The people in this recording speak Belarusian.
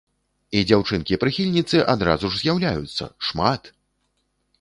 І дзяўчынкі-прыхільніцы адразу ж з'яўляюцца, шмат!